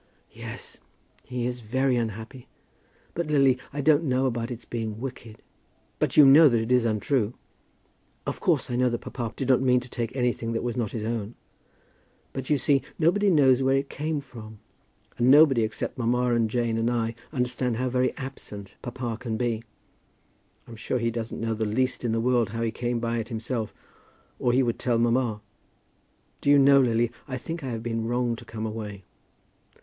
"Yes; he is very unhappy. But, Lily, I don't know about its being wicked." "But you know that it is untrue." "Of course I know that papa did not mean to take anything that was not his own. But, you see, nobody knows where it came from; and nobody except mamma and Jane and I understand how very absent papa can be. I'm sure he doesn't know the least in the world how he came by it himself, or he would tell mamma. Do you know, Lily, I think I have been wrong to come away."